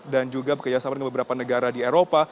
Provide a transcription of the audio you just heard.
dan juga bekerjasama dengan beberapa negara di eropa